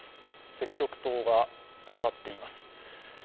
赤色灯が光っています。